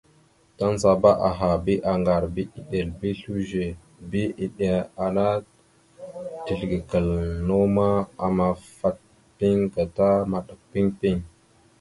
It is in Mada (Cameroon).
Tandzata aha bi aŋgar bi eɗel bi slʉze bi iɗeŋa ana teslekal naw ma, amafat piŋ gata maɗak piŋ piŋ.